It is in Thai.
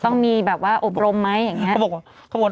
ต้องมีแบบว่าอบรมไหมอย่างนี้